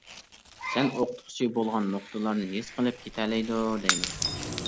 سەن ئوقۇتقۇچى بولغان نۇقتىلارنى ھېس قىلىپ كېتەلەيدۇ دەيمەن.